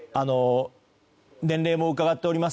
年齢も伺っております。